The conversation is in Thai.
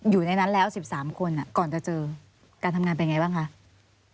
อยู่ในนั้นแล้ว๑๓คนก่อนจะเจอการทำงานเป็นไงบ้างคะ